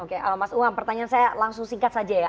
oke mas umam pertanyaan saya langsung singkat saja ya